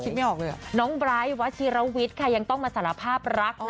ไม่ออกเลยอ่ะน้องไบร์ทวัชิรวิทย์ค่ะยังต้องมาสารภาพรัก